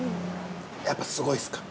やっぱ、すごいっすか？